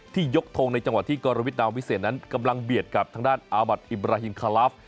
ยกทงในจังหวะที่กรวิทนามวิเศษนั้นกำลังเบียดกับทางด้านอาบัติอิบราฮินคาลาฟ